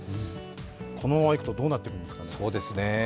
このままいくとどうなっていくんですかね。